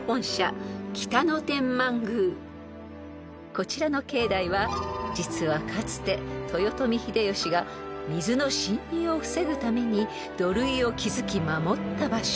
［こちらの境内は実はかつて豊臣秀吉が水の浸入を防ぐために土塁を築き守った場所］